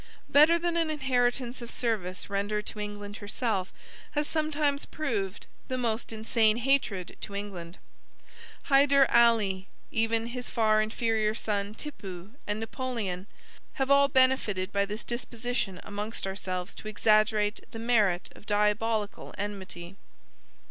Better than an inheritance of service rendered to England herself, has sometimes proved the most insane hatred to England. Hyder Ali, even his far inferior son Tippoo, and Napoleon, have all benefited by this disposition amongst ourselves to exaggerate the merit of diabolic enmity.